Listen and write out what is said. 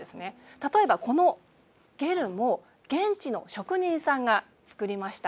例えば、このゲルも現地の職人さんが造りました。